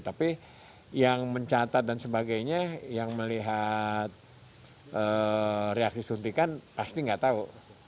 tapi yang mencatat dan sebagainya yang melihat reaksi suntikan pasti nggak tahu